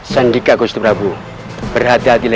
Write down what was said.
sandika bistri pradu berhati hatilah di jalan